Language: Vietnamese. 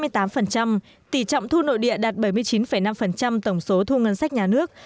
tỷ trọng thu nội địa đạt bảy mươi chín năm tổng số thu ngân sách nhà nước